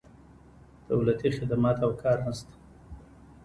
دولتي خدمات او کار نه شته.